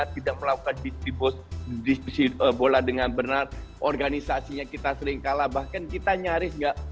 tidak melakukan distribusi bola dengan benar organisasinya kita sering kalah bahkan kita nyaris nggak